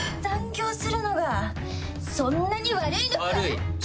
残業するのがそんなに悪いのか！